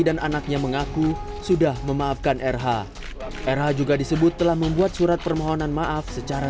dan anaknya mengaku sudah memaafkan rh rh juga disebut telah membuat surat permohonan maaf secara